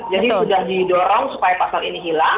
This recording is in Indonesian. jadi sudah didorong supaya pasal ini hilang